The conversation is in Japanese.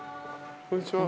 こんにちは。